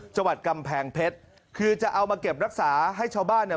จังหวัดกำแพงเพชรคือจะเอามาเก็บรักษาให้ชาวบ้านเนี่ย